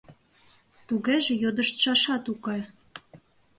— Тугеже йодыштшашат уке...